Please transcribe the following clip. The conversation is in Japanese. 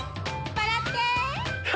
笑って！